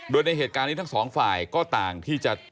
โดยในเหตุการณ์นี้ทั้งสองฝ่ายก็ต่างที่จะ